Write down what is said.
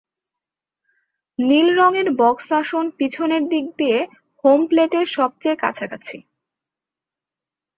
নীল রঙের "বক্স আসন" পিছন দিক দিয়ে হোম প্লেটের সবচেয়ে কাছাকাছি।